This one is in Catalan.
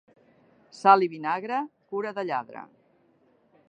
Sal i vinagre, cura de lladre.